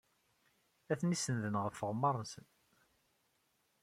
Atni sennden ɣef tɣemmar-nsen.